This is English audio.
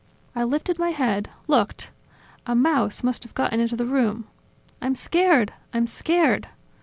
I lifted my head, looked... "A mouse must have gotten into the room..." "I'm scared!. ..I'm scared!".